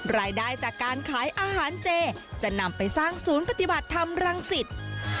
รายได้จากการขายอาหารเจจะนำไปสร้างศูนย์ปฏิบัติธรรมรังสิต